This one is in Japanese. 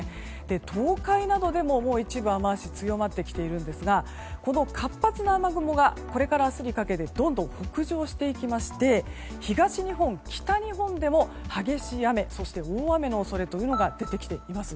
東海などでも一部、雨脚が強まってきているんですがこの活発な雨雲がこれから明日にかけてどんどん北上していきまして東日本、北日本でも激しい雨そして、大雨の恐れが出てきています。